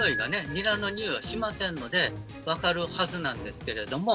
ニラのにおいはしませんのでわかるはずなんですけれども。